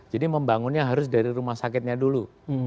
jadi membangunnya harus dari rumah sakitnya dulu